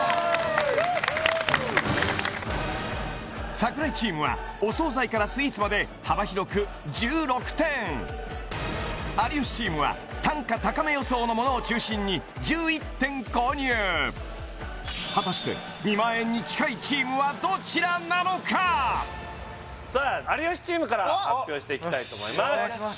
櫻井チームはお惣菜からスイーツまで幅広く１６点有吉チームは単価高め予想のものを中心に１１点購入果たしてさあ有吉チームから発表していきたいと思います